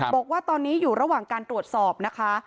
บอกว่าตอนนี้อยู่ระหว่างการตรวจสอบนะคะ